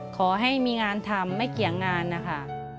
ขอให้มีงานทำไม่เกี่ยงงานนะคะ